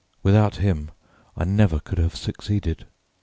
Without him I never could have succeeded.